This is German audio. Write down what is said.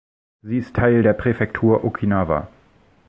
Sie ist Teil der Präfektur Okinawa.